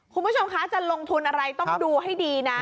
คุณผู้ชมคะจะลงทุนอะไรต้องดูให้ดีนะ